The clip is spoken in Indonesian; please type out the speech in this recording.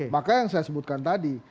maka yang saya sebutkan tadi